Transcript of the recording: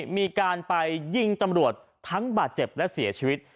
มีการไปยิงตำรวจทั้งบาดเจ็บและเสียชีวิต